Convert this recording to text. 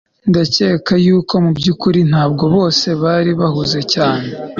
Ndakeka yuko mubyukuri ntabwo bose bari bahuze cyane